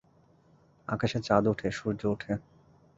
আকশে চাঁদ উঠে, সূর্য ওঠে।